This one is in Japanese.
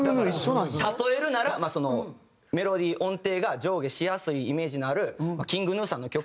例えるならメロディー音程が上下しやすいイメージのあるＫｉｎｇＧｎｕさんの曲。